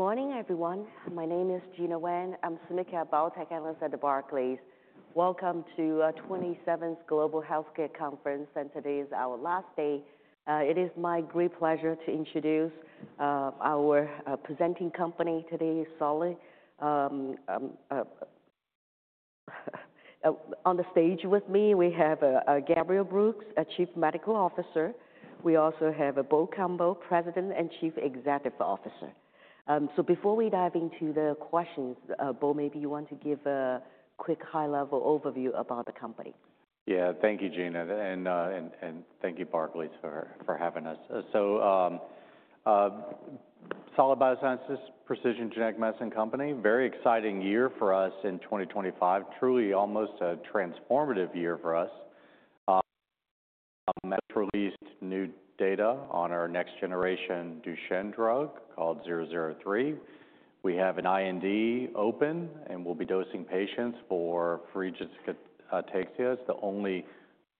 Good morning, everyone. My name is Gina Wang. I'm a Syndicate Biotech Analyst at Barclays. Welcome to the 27th Global Healthcare Conference, and today is our last day. It is my great pleasure to introduce our presenting company today, Solid. On the stage with me, we have Gabriel Brooks, Chief Medical Officer. We also have Bo Cumbo, President and Chief Executive Officer. Before we dive into the questions, Bo, maybe you want to give a quick high-level overview about the company. Yeah, thank you, Gina. Thank you, Barclays, for having us. Solid Biosciences, precision genetic medicine company. Very exciting year for us in 2025. Truly almost a transformative year for us. We just released new data on our next-generation Duchenne drug called SGT-003. We have an IND open, and we'll be dosing patients for Friedreich's ataxia. It's the only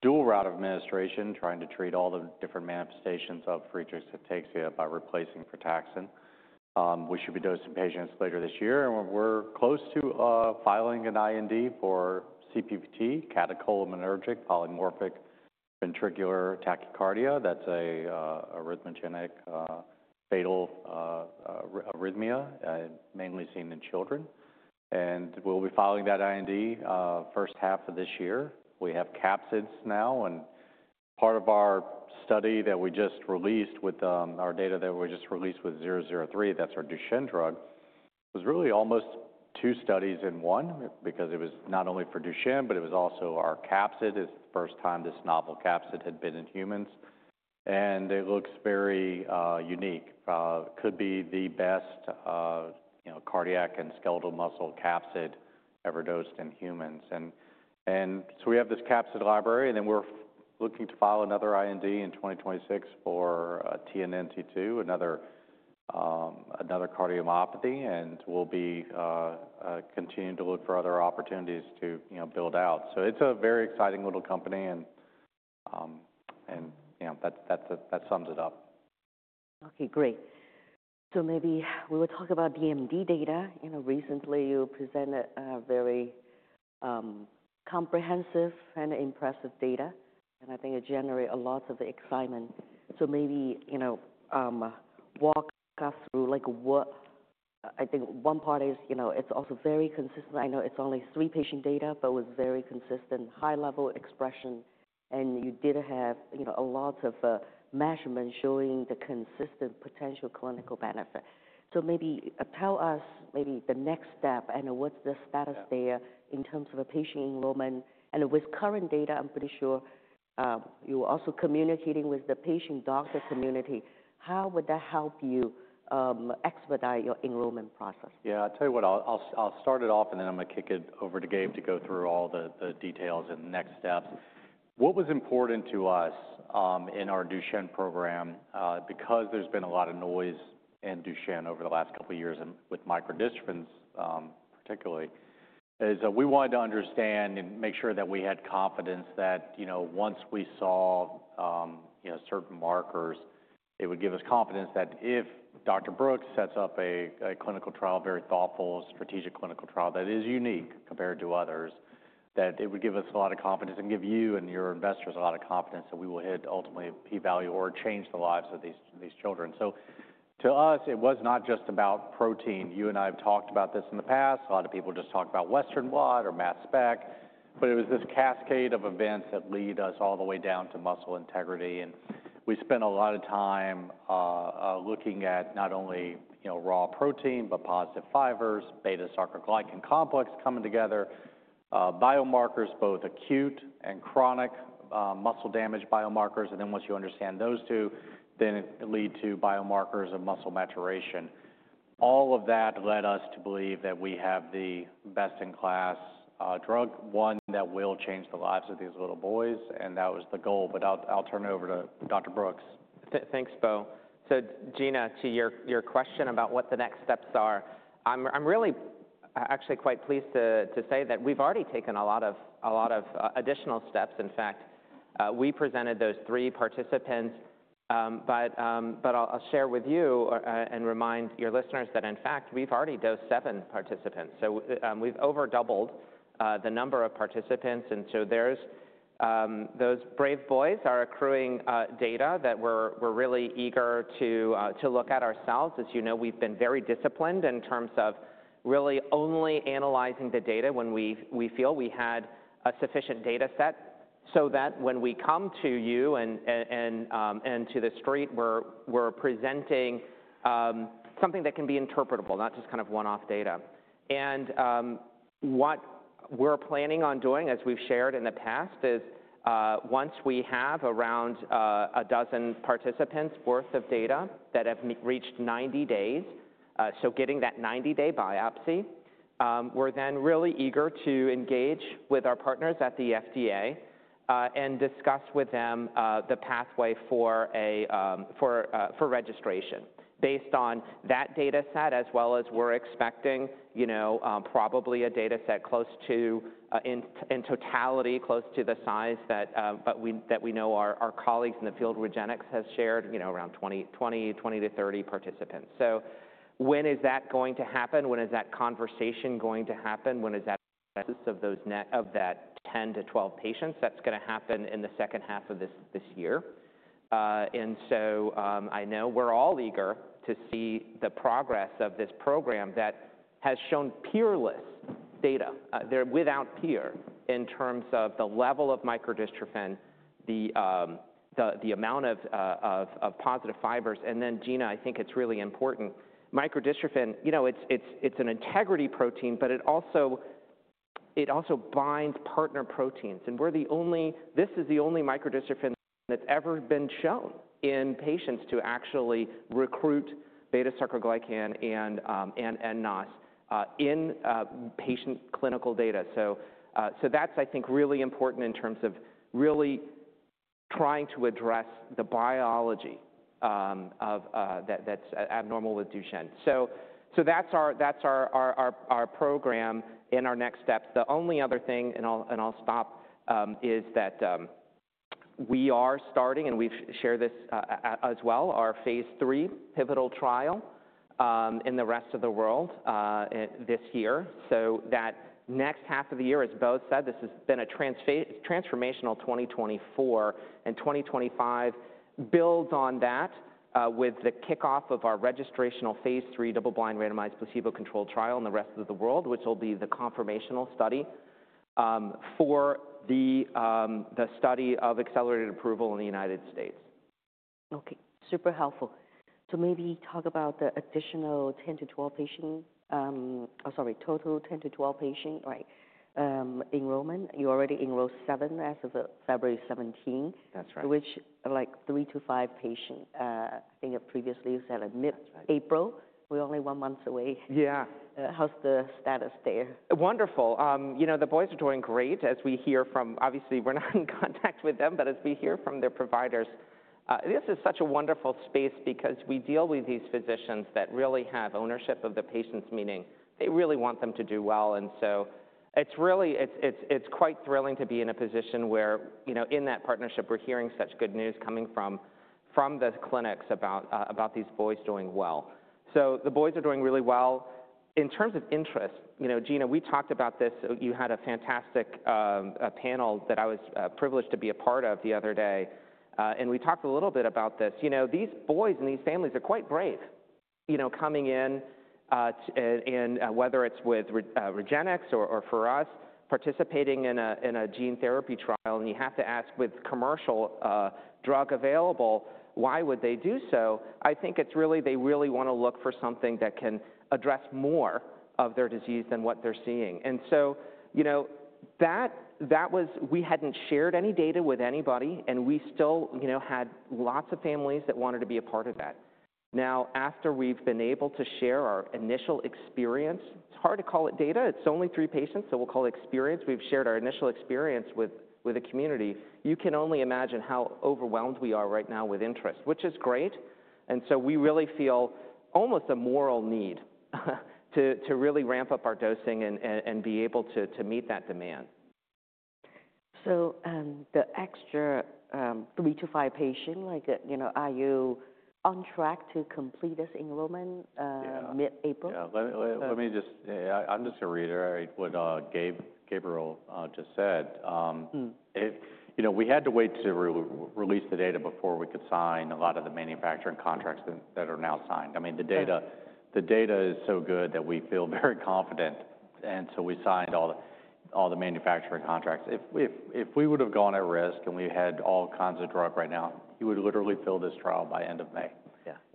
dual-route of administration, trying to treat all the different manifestations of Friedreich's ataxia by replacing frataxin. We should be dosing patients later this year, and we're close to filing an IND for CPVT, Catecholaminergic Polymorphic Ventricular Tachycardia. That's an arrhythmogenic fatal arrhythmia, mainly seen in children. We'll be filing that IND first half of this year. We have capsids now, and part of our study that we just released with our data that we just released with 003, that's our Duchenne drug, was really almost two studies in one because it was not only for Duchenne, but it was also our capsid. It's the first time this novel capsid had been in humans, and it looks very unique. Could be the best cardiac and skeletal muscle capsid ever dosed in humans. We have this capsid library, and then we're looking to file another IND in 2026 for TNNT2, another cardiomyopathy, and we'll be continuing to look for other opportunities to build out. It's a very exciting little company, and that sums it up. Okay, great. Maybe we will talk about DMD data. Recently, you presented very comprehensive and impressive data, and I think it generated a lot of excitement. Maybe walk us through, I think one part is it's also very consistent. I know it's only three patient data, but it was very consistent, high-level expression, and you did have a lot of measurements showing the consistent potential clinical benefit. Maybe tell us the next step and what's the status there in terms of patient enrollment. With current data, I'm pretty sure you're also communicating with the patient doctor community. How would that help you expedite your enrollment process? Yeah, I'll tell you what, I'll start it off, and then I'm going to kick it over to Gabe to go through all the details and the next steps. What was important to us in our Duchenne program, because there's been a lot of noise in Duchenne over the last couple of years with microdystrophin particularly, is we wanted to understand and make sure that we had confidence that once we saw certain markers, it would give us confidence that if Dr. Brooks sets up a clinical trial, a very thoughtful, strategic clinical trial that is unique compared to others, that it would give us a lot of confidence and give you and your investors a lot of confidence that we will hit ultimately a P-value or change the lives of these children. To us, it was not just about protein. You and I have talked about this in the past. A lot of people just talk about Western blot or mass spectrometry, but it was this cascade of events that led us all the way down to muscle integrity. We spent a lot of time looking at not only raw protein, but positive fibers, beta-sarcoglycan complex coming together, biomarkers, both acute and chronic muscle damage biomarkers. Once you understand those two, it leads to biomarkers of muscle maturation. All of that led us to believe that we have the best-in-class drug, one that will change the lives of these little boys, and that was the goal. I'll turn it over to Dr. Brooks. Thanks, Bo. Gina, to your question about what the next steps are, I'm really actually quite pleased to say that we've already taken a lot of additional steps. In fact, we presented those three participants, but I'll share with you and remind your listeners that in fact, we've already dosed seven participants. We've overdoubled the number of participants. Those brave boys are accruing data that we're really eager to look at ourselves. As you know, we've been very disciplined in terms of really only analyzing the data when we feel we had a sufficient data set so that when we come to you and to the street, we're presenting something that can be interpretable, not just kind of one-off data. What we're planning on doing, as we've shared in the past, is once we have around a dozen participants' worth of data that have reached 90 days, so getting that 90-day biopsy, we're then really eager to engage with our partners at the FDA and discuss with them the pathway for registration based on that data set, as well as we're expecting probably a data set close to, in totality, close to the size that we know our colleagues in the field, REGENXBIO, have shared, around 20-30 participants. When is that going to happen? When is that conversation going to happen? When is that of that 10-12 patients? That's going to happen in the second half of this year. I know we're all eager to see the progress of this program that has shown peerless data, without peer, in terms of the level of microdystrophin, the amount of positive fibers. Gina, I think it's really important. Microdystrophin, it's an integrity protein, but it also binds partner proteins. This is the only microdystrophin that's ever been shown in patients to actually recruit beta-sarcoglycan and NOS in patient clinical data. I think that's really important in terms of really trying to address the biology that's abnormal with Duchenne. That's our program and our next steps. The only other thing, and I'll stop, is that we are starting, and we've shared this as well, our phase three pivotal trial in the rest of the world this year. That next half of the year, as Bo said, this has been a transformational 2024. 2025 builds on that with the kickoff of our registrational phase three double-blind randomized placebo-controlled trial in the rest of the world, which will be the confirmational study for the study of accelerated approval in the United States. Okay, super helpful. Maybe talk about the additional 10-12 patient, sorry, total 10-12 patient enrollment. You already enrolled seven as of February 17, which, like, three to five patients, I think previously you said in April. We're only one month away. Yeah. How's the status there? Wonderful. You know, the boys are doing great, as we hear from, obviously, we're not in contact with them, but as we hear from their providers, this is such a wonderful space because we deal with these physicians that really have ownership of the patients, meaning they really want them to do well. It is really, it's quite thrilling to be in a position where in that partnership, we're hearing such good news coming from the clinics about these boys doing well. The boys are doing really well. In terms of interest, Gina, we talked about this. You had a fantastic panel that I was privileged to be a part of the other day, and we talked a little bit about this. These boys and these families are quite brave coming in, whether it's with REGENXBIO or for us participating in a gene therapy trial, and you have to ask with commercial drug available, why would they do so? I think it's really, they really want to look for something that can address more of their disease than what they're seeing. That was, we hadn't shared any data with anybody, and we still had lots of families that wanted to be a part of that. Now, after we've been able to share our initial experience, it's hard to call it data. It's only three patients, so we'll call it experience. We've shared our initial experience with the community. You can only imagine how overwhelmed we are right now with interest, which is great. We really feel almost a moral need to really ramp up our dosing and be able to meet that demand. The extra three to five patients, are you on track to complete this enrollment mid-April? Yeah, let me just, I'm just going to reiterate what Gabriel just said. We had to wait to release the data before we could sign a lot of the manufacturing contracts that are now signed. I mean, the data is so good that we feel very confident, and so we signed all the manufacturing contracts. If we would have gone at risk and we had all kinds of drug right now, you would literally fill this trial by end of May.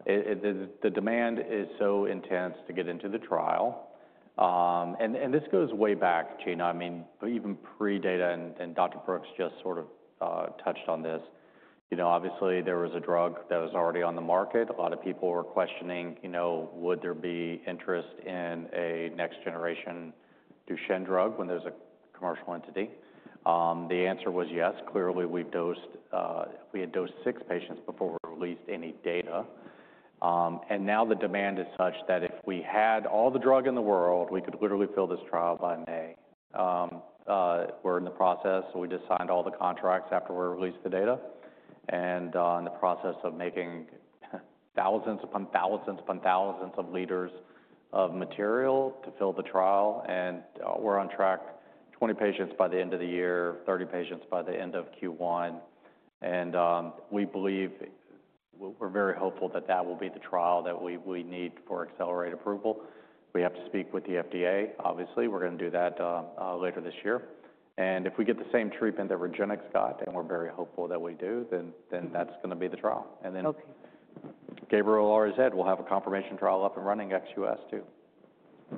The demand is so intense to get into the trial. This goes way back, Gina. I mean, even pre-data, and Dr. Brooks just sort of touched on this. Obviously, there was a drug that was already on the market. A lot of people were questioning, would there be interest in a next-generation Duchenne drug when there's a commercial entity? The answer was yes. Clearly, we had dosed six patients before we released any data. Now the demand is such that if we had all the drug in the world, we could literally fill this trial by May. We're in the process. We just signed all the contracts after we released the data. In the process of making thousands upon thousands upon thousands of liters of material to fill the trial. We're on track, 20 patients by the end of the year, 30 patients by the end of Q1. We believe, we're very hopeful that that will be the trial that we need for accelerated approval. We have to speak with the FDA, obviously. We're going to do that later this year. If we get the same treatment that REGENXBIO got, and we're very hopeful that we do, that's going to be the trial. Gabriel already said, we'll have a confirmation trial up and running ex-US too.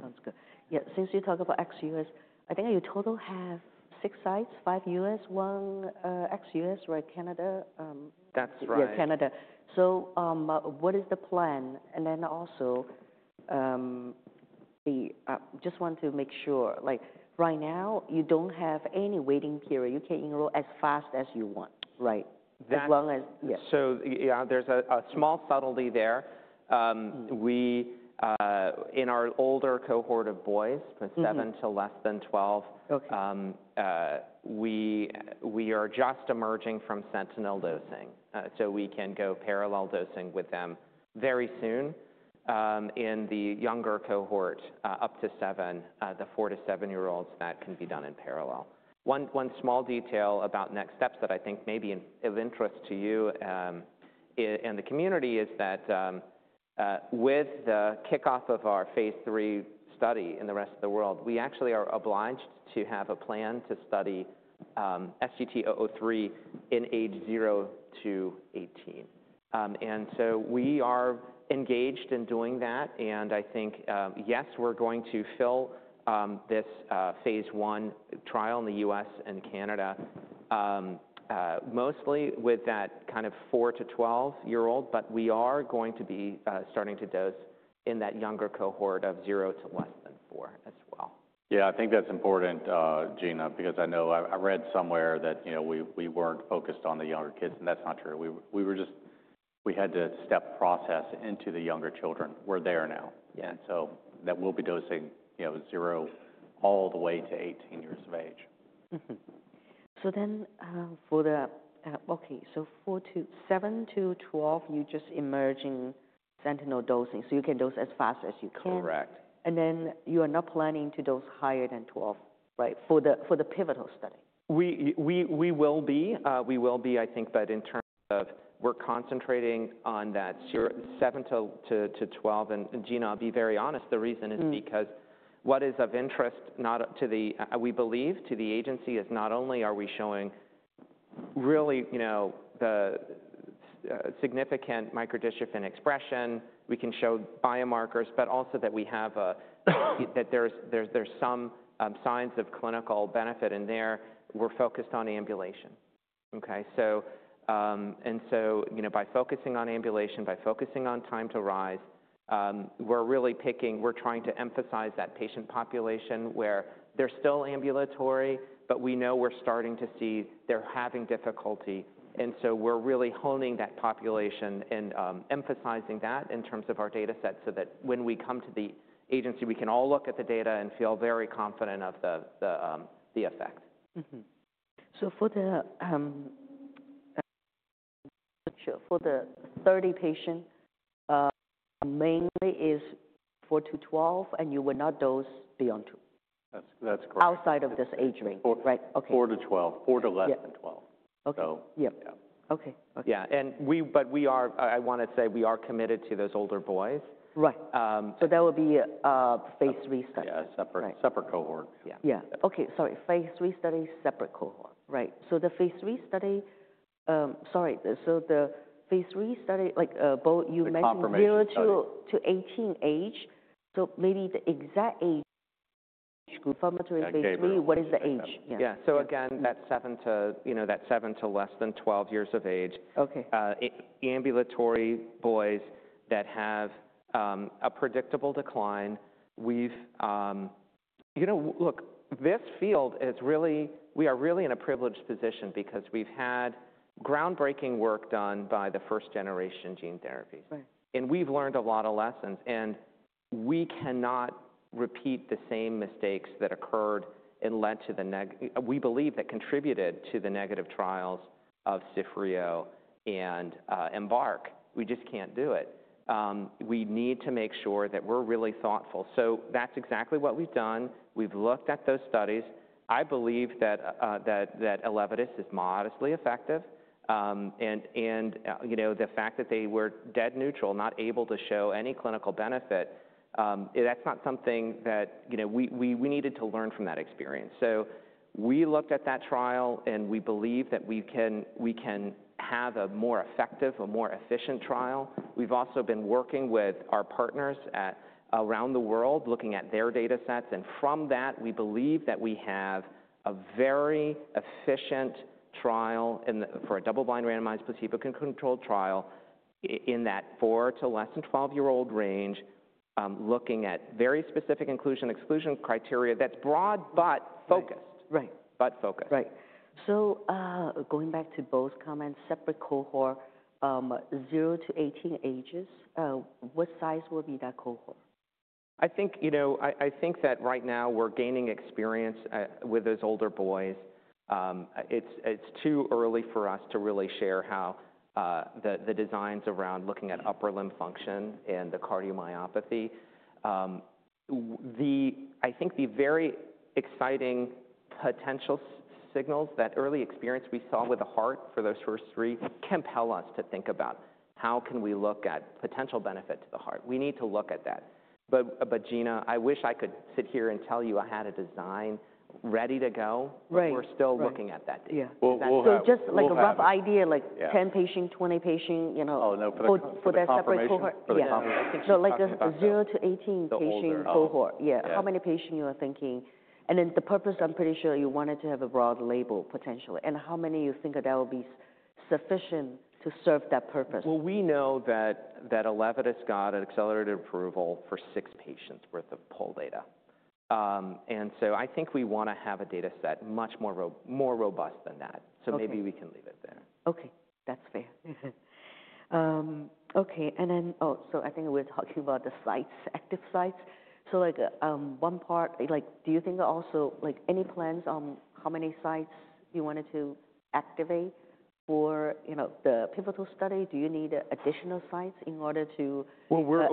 Sounds good. Yeah, since you talk about ex-US, I think you total have six sites, five US, one ex-US, right? Canada. That's right. Yeah, Canada. What is the plan? I just want to make sure, right now, you don't have any waiting period. You can enroll as fast as you want, right? As long as. Yeah, there's a small subtlety there. In our older cohort of boys, from seven to less than 12, we are just emerging from sentinel dosing. We can go parallel dosing with them very soon. In the younger cohort, up to seven, the four to seven-year-olds, that can be done in parallel. One small detail about next steps that I think may be of interest to you and the community is that with the kickoff of our phase three study in the rest of the world, we actually are obliged to have a plan to study SGT-003 in age 0-18. We are engaged in doing that. Yes, we're going to fill this phase I trial in the U.S. and Canada mostly with that kind of four to 12 year old, but we are going to be starting to dose in that younger cohort of zero to less than four as well. Yeah, I think that's important, Gina, because I know I read somewhere that we weren't focused on the younger kids, and that's not true. We had to step process into the younger children. We're there now. That will be dosing zero all the way to 18 years of age. For the, okay, so seven to 12, you're just emerging sentinel dosing. You can dose as fast as you can. Correct. You are not planning to dose higher than 12, right, for the pivotal study? We will be. We will be, I think, but in terms of we're concentrating on that seven to 12. And Gina, I'll be very honest. The reason is because what is of interest, we believe, to the agency is not only are we showing really significant microdystrophin expression, we can show biomarkers, but also that we have a, that there's some signs of clinical benefit in there. We're focused on ambulation. Okay? By focusing on ambulation, by focusing on time to rise, we're really picking, we're trying to emphasize that patient population where they're still ambulatory, but we know we're starting to see they're having difficulty. We are really honing that population and emphasizing that in terms of our data set so that when we come to the agency, we can all look at the data and feel very confident of the effect. For the 30 patients, mainly it's four to 12, and you will not dose beyond two. That's correct. Outside of this age range, right? Four to 12, four to less than 12. Okay. Yeah. Yeah. I want to say we are committed to those older boys. Right. So that will be a phase three study. Yeah, a separate cohort. Yeah. Okay, sorry. Phase three study, Separate cohort. Right? The phase three study, like you mentioned, zero to 18 age. Maybe the exact age. Confirmatory phase three, what is the age? Yeah. Again, that seven to less than 12 years of age. Ambulatory boys that have a predictable decline. Look, this field is really, we are really in a privileged position because we've had groundbreaking work done by the first-generation gene therapies. We've learned a lot of lessons. We cannot repeat the same mistakes that occurred and led to the, we believe that contributed to the negative trials of CIFFREO and Embark. We just can't do it. We need to make sure that we're really thoughtful. That's exactly what we've done. We've looked at those studies. I believe that Elevidys is modestly effective. The fact that they were dead neutral, not able to show any clinical benefit, that's not something that we needed to learn from that experience. We looked at that trial, and we believe that we can have a more effective, a more efficient trial. We've also been working with our partners around the world looking at their data sets. From that, we believe that we have a very efficient trial for a double-blind randomized placebo-controlled trial in that four to less than 12-year-old range, looking at very specific inclusion-exclusion criteria that's broad, but focused. But focused. Right. Going back to Bo's comment, separate cohort, zero to 18 ages, what size will be that cohort? I think that right now we're gaining experience with those older boys. It's too early for us to really share how the designs around looking at upper limb function and the cardiomyopathy. I think the very exciting potential signals, that early experience we saw with the heart for those first three, can tell us to think about how can we look at potential benefit to the heart. We need to look at that. Gina, I wish I could sit here and tell you I had a design ready to go, but we're still looking at that data. Yeah. Just like a rough idea, like 10 patients, 20 patients. Oh, no. For that separate cohort. For the cohort. Yeah. Like a zero to 18 patient cohort. Yeah. How many patients you are thinking? The purpose, I'm pretty sure you wanted to have a broad label potentially. How many you think that will be sufficient to serve that purpose? We know that Elevidys got an accelerated approval for six patients' worth of pooled data. I think we want to have a data set much more robust than that. Maybe we can leave it there. Okay. That's fair. Okay. I think we're talking about the sites, active sites. Like one part, do you think also like any plans on how many sites you wanted to activate for the pivotal study? Do you need additional sites in order to? We're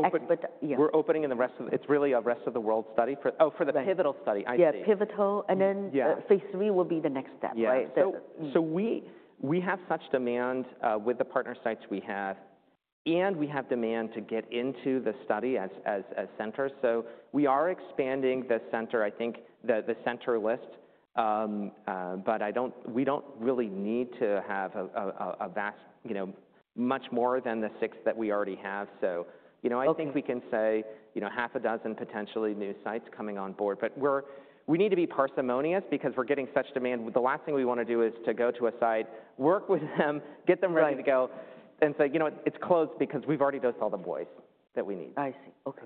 opening in the rest of, it's really a rest of the world study for, oh, for the pivotal study. Yeah, pivotal. And then phase three will be the next step, right? Yeah. We have such demand with the partner sites we have, and we have demand to get into the study as a center. We are expanding the center, I think the center list, but we do not really need to have a vast, much more than the six that we already have. I think we can say half a dozen potentially new sites coming on board. We need to be parsimonious because we are getting such demand. The last thing we want to do is to go to a site, work with them, get them ready to go, and say, you know what, it is closed because we have already dosed all the boys that we need. I see. Okay.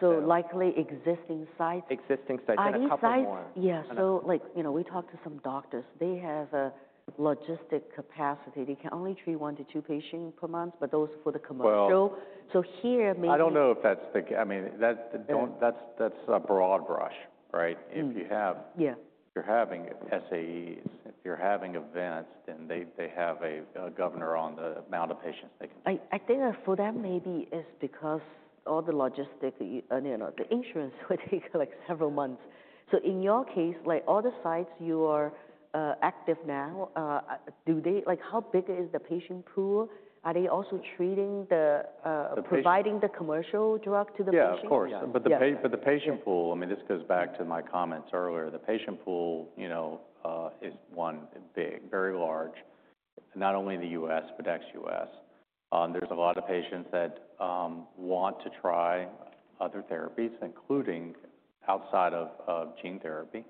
So likely existing sites? Existing sites. A couple more. Sites. Yeah. We talked to some doctors. They have a logistic capacity. They can only treat one to two patients per month, but those for the commercial. Here, maybe. I don't know if that's the, I mean, that's a broad brush, right? If you're having SAEs, if you're having events, then they have a governor on the amount of patients they can treat. I think for them maybe it's because all the logistic, the insurance would take like several months. In your case, like all the sites you are active now, how big is the patient pool? Are they also treating, providing the commercial drug to the patients? Yeah, of course. The patient pool, I mean, this goes back to my comments earlier. The patient pool is one, big, very large, not only in the US, but ex-US There are a lot of patients that want to try other therapies, including outside of gene therapy.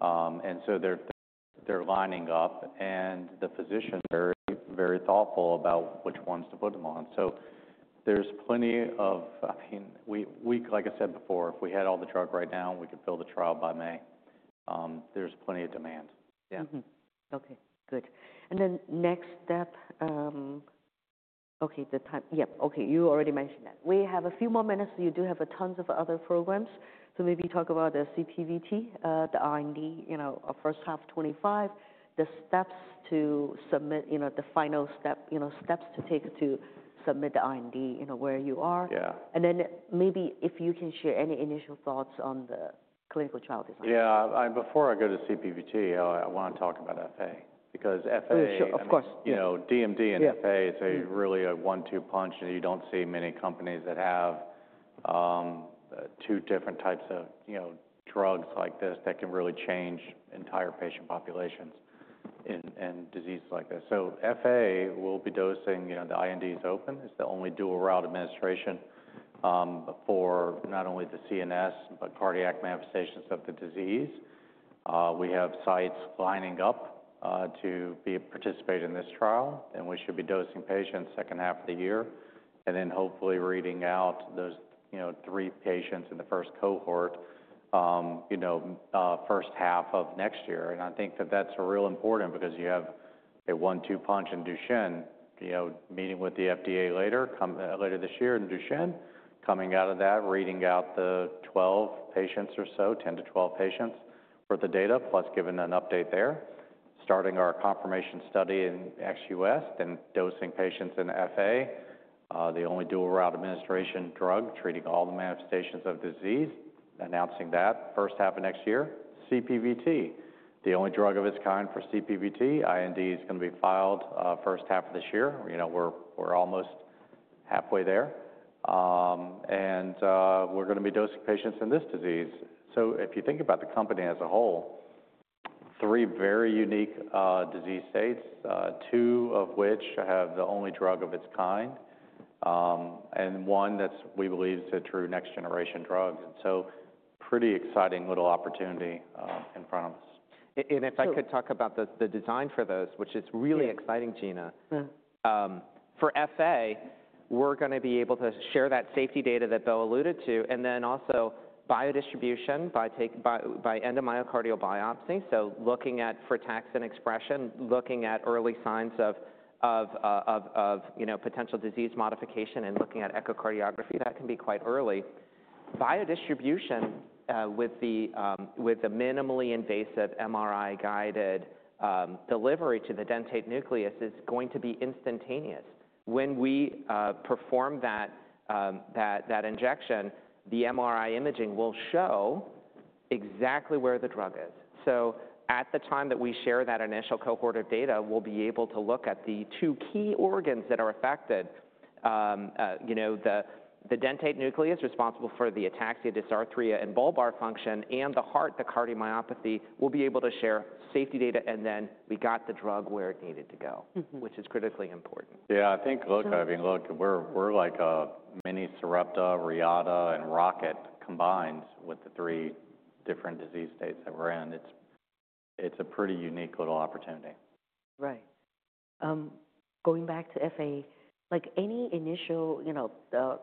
They are lining up, and the physicians are very thoughtful about which ones to put them on. There is plenty of, I mean, like I said before, if we had all the drug right now, we could fill the trial by May. There is plenty of demand. Yeah. Okay. Good. Next step, okay, the time, yeah. Okay. You already mentioned that. We have a few more minutes. You do have tons of other programs. Maybe talk about the CPVT, the R&D, our first half, 2025, the steps to submit, the final steps to take to submit the R&D where you are. Maybe if you can share any initial thoughts on the clinical trial design. Yeah. Before I go to CPVT, I want to talk about FA because FA is. Oh, sure. Of course. DMD and FA is really a one-two punch, and you don't see many companies that have two different types of drugs like this that can really change entire patient populations and diseases like this. FA will be dosing, the IND is open, it's the only dual-route administration for not only the CNS, but cardiac manifestations of the disease. We have sites lining up to participate in this trial, and we should be dosing patients second half of the year, and then hopefully reading out those three patients in the first cohort first half of next year. I think that that's real important because you have a one-two punch in Duchenne, meeting with the FDA later this year in Duchenne, coming out of that, reading out the 10-12 patients for the data, plus giving an update there, starting our confirmation study in ex-US, dosing patients in FA, the only dual-route administration drug, treating all the manifestations of disease, announcing that first half of next year. CPVT, the only drug of its kind for CPVT, IND is going to be filed first half of this year. We're almost halfway there. We're going to be dosing patients in this disease. If you think about the company as a whole, three very unique disease states, two of which have the only drug of its kind, and one that we believe is a true next-generation drug. Pretty exciting little opportunity in front of us. If I could talk about the design for those, which is really exciting, Gina. For FA, we're going to be able to share that safety data that Bo alluded to, and then also biodistribution by endomyocardial biopsy. Looking at frataxin expression, looking at early signs of potential disease modification, and looking at echocardiography, that can be quite early. Biodistribution with a minimally invasive MRI-guided delivery to the dentate nucleus is going to be instantaneous. When we perform that injection, the MRI imaging will show exactly where the drug is. At the time that we share that initial cohort of data, we'll be able to look at the two key organs that are affected, the dentate nucleus responsible for the ataxia, dysarthria, and bulbar function, and the heart, the cardiomyopathy. We'll be able to share safety data, and then we got the drug where it needed to go, which is critically important. Yeah. I think, look, I mean, look, we're like a mini Sarepta, Reata, and Rocket combined with the three different disease states that we're in. It's a pretty unique little opportunity. Right. Going back to FA, like any initial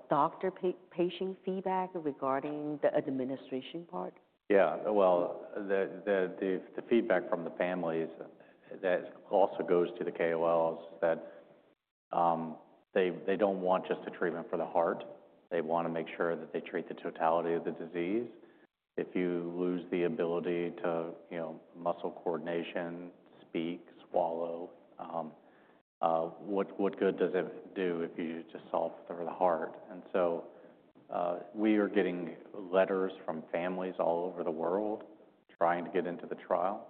doctor-patient feedback regarding the administration part? Yeah. The feedback from the families that also goes to the KOLs is that they do not want just a treatment for the heart. They want to make sure that they treat the totality of the disease. If you lose the ability to muscle coordination, speak, swallow, what good does it do if you just solve for the heart? We are getting letters from families all over the world trying to get into the trial.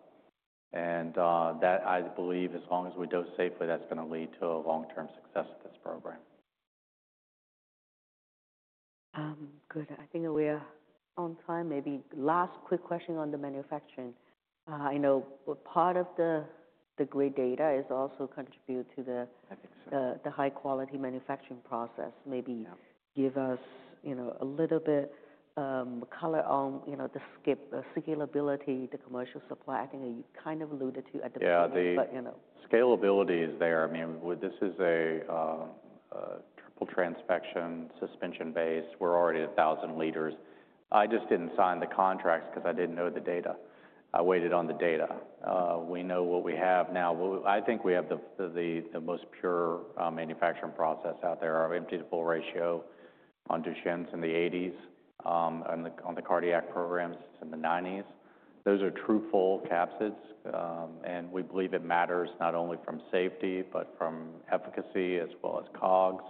That, I believe, as long as we dose safely, is going to lead to a long-term success of this program. Good. I think we are on time. Maybe last quick question on the manufacturing. I know part of the great data is also contributing to the high-quality manufacturing process. Maybe give us a little bit color on the scalability, the commercial supply. I think you kind of alluded to it at the beginning, but. Yeah. The scalability is there. I mean, this is a triple-transfection suspension base. We're already 1,000L. I just didn't sign the contracts because I didn't know the data. I waited on the data. We know what we have now. I think we have the most pure manufacturing process out there. Our empty-to-full ratio on Duchenne's in the 80s, on the cardiac programs in the 90s. Those are true full capsids. We believe it matters not only from safety, but from efficacy as well as COGS.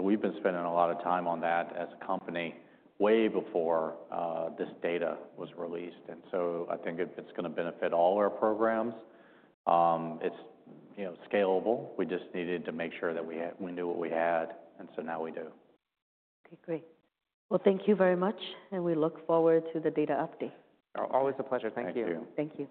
We have been spending a lot of time on that as a company way before this data was released. I think it's going to benefit all our programs. It's scalable. We just needed to make sure that we knew what we had. Now we do. Great. Thank you very much. We look forward to the data update. Always a pleasure. Thank you. Thank you. Thank you.